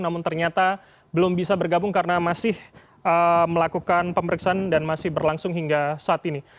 namun ternyata belum bisa bergabung karena masih melakukan pemeriksaan dan masih berlangsung hingga saat ini